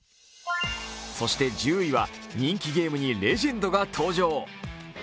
そして１０位は人気ゲームにレジェンドが登場。